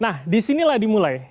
nah disinilah dimulai